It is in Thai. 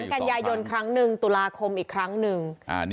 กันยายนครั้งหนึ่งตุลาคมอีกครั้งหนึ่ง